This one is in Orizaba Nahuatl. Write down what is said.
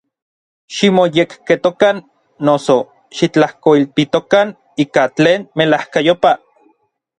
Ximoyekketokan, noso, xitlajkoilpitokan ika tlen melajkayopaj.